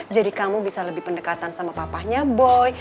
jadi kamu bisa lebih pendekatan sama papahnya boy